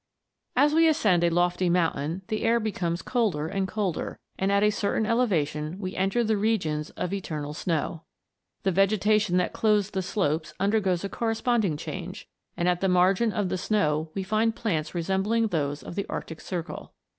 As we ascend a lofty mountain the air becomes colder and colder, and at a certain elevation we enter the regions of eternal snow. The vegetation 244 MOVING LANDS. that clothes the slopes undergoes a corresponding change, and at the margin of the snow we find plants resembling those of the arctic circle.